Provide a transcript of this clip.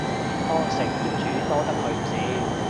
康城業主多得佢唔少